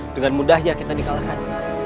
dengan mudahnya kita dikalahkan